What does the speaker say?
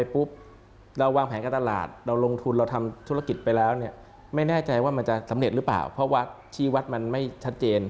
เพราะว่าชีวัตรมันไม่ชัดเจน